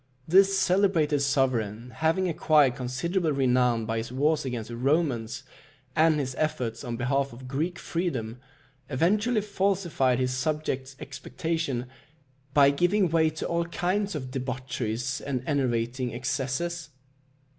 This celebrated sovereign having acquired considerable renown by his wars against the Romans, and his efforts on behalf of Greek freedom, eventually falsified his subjects' expectation by giving way to all kinds of debaucheries and enervating excesses.